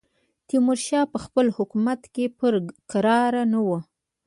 تیمورشاه په خپل حکومت کې پر کراره نه وو.